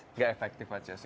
dia tidak efektif aja sih